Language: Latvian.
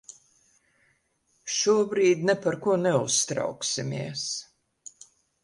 Šobrīd ne par ko neuztrauksimies.